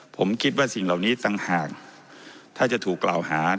ผมคิดว่าสิ่งเหล่านี้ต่างหากถ้าจะถูกกล่าวหา